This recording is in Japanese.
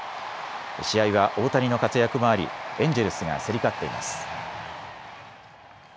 試合は大谷の活躍もありエンジェルスが競り勝っています。